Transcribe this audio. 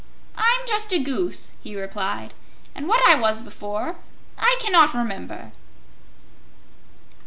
"I'm just a Goose," he replied, "and what I was before, I cannot remember."